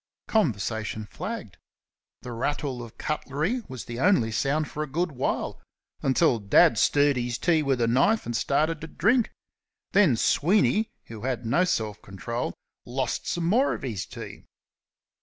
Conversation flagged. The rattle of cutlery was the only sound for a good while until Dad stirred his tea with a knife and started to drink. Then Sweeney, who had no self control, lost some more of his tea.